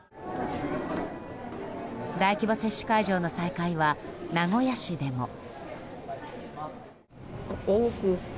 大規模接種会場の再開は名古屋市でも。